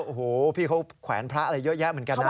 โอ้โหพี่เขาแขวนพระอะไรเยอะแยะเหมือนกันนะ